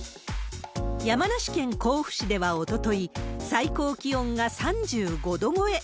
山梨県甲府市ではおととい、最高気温が３５度超え。